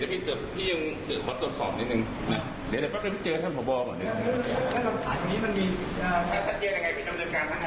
เดี๋ยวเราก็พบเขาบอกต่อก่อน